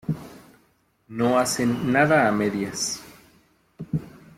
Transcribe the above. No hacen nada a medias.